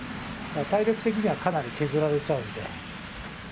体力的にはかなり削られちゃうんで。